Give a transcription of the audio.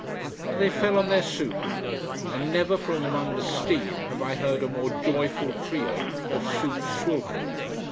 And they fell on their soup. And never, from among the steam, have I heard a more joyful trio of soup swilkering.